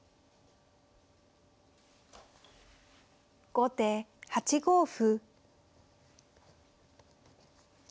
後手８五歩。